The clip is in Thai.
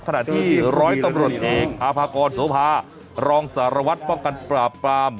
ขณะที่ร้อยตำรวจเอกอาภากรโสภารองสารวัตรป้องกันปราบปราม